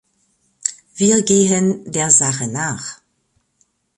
Wir gehen der Sache nach.